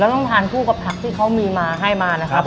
ต้องทานคู่กับผักที่เขามีมาให้มานะครับ